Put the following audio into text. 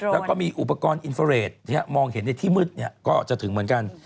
แล้วก็มีอุปกรณ์อินเฟอร์เรทมองเห็นในที่มืดก็จะถึงเหมือนกัน